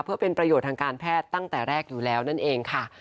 เพื่อเป็นประโยชน์ทางการแพทย์ตั้งแต่แรกอยู่แล้วนั่นเองค่ะ